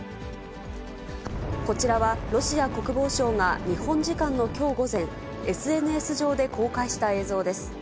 こちらは、ロシア国防省が日本時間のきょう午前、ＳＮＳ上で公開した映像です。